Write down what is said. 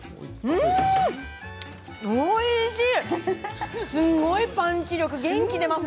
うん、おいしい。